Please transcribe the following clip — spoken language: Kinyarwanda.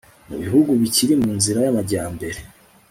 mu bihugu bikiri mu nzira y'amajyambere